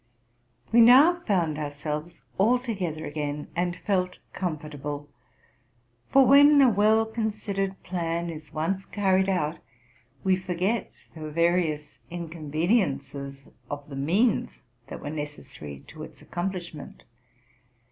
We now found ourselves all together again, and felt comfortable ; for, when a well considercd plan is once carried out, we forget the various inconveniences of the means that were necessar y to its accomplishment.